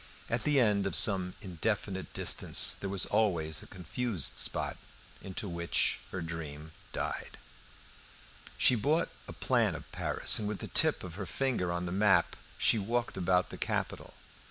At the end of some indefinite distance there was always a confused spot, into which her dream died. She bought a plan of Paris, and with the tip of her finger on the map she walked about the capital.